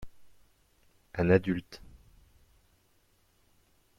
un adulte.